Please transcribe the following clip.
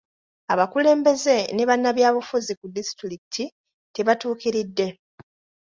Abakulembeze ne bannabyabufuzi ku disitulikiti tebatuukiridde.